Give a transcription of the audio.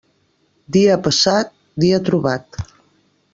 Dia passat, dia trobat.